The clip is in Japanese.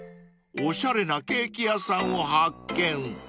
［おしゃれなケーキ屋さんを発見］